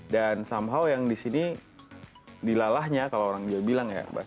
somehow yang di sini dilalahnya kalau orang jawa bilang ya mbak